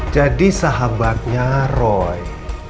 jadi sahabatnya roy